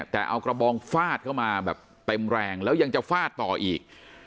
แต่เอากระบองฟาดเข้ามาแบบเต็มแรงแล้วยังจะฟาดต่ออีก